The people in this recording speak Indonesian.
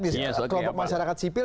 di kelompok masyarakat sipil